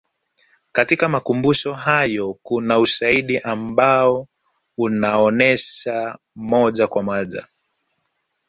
katika makumbusho hayo kuna ushahidi ambao unaonesha moja kwa moja